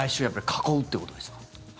やっぱり囲うってことですか？